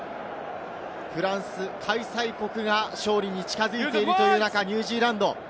フランス、開催国が勝利に近づいているという中、ニュージーランド。